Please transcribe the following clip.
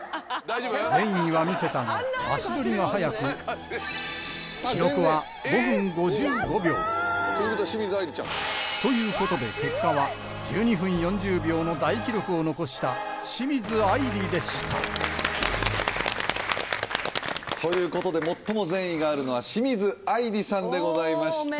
善意は見せたが足取りが速く記録は５分５５秒ということで結果は１２分４０秒の大記録を残した清水あいりでしたということで最も善意があるのは清水あいりさんでございました。